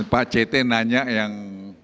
pak ct nanya yang